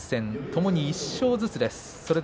ともに１勝ずつです。